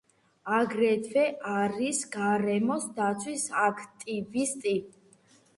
აგრეთვე არის გარემოს დაცვის აქტივისტი.